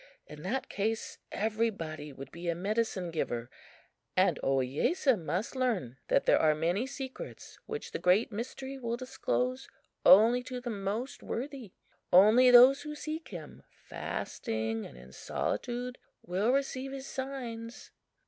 In that case everybody would be a medicine giver, and Ohiyesa must learn that there are many secrets which the Great Mystery will disclose only to the most worthy. Only those who seek him fasting and in solitude will receive his signs."